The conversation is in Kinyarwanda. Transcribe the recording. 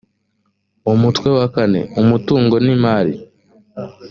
umutwe wa kane umutungo n imari